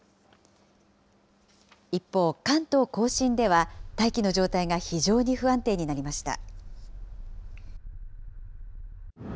一方、関東甲信では、大気の状態が非常に不安定になりました。